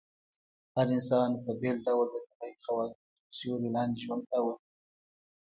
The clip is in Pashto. هر انسان په بېل ډول د طبيعي قوانينو تر سيوري لاندي ژوند کاوه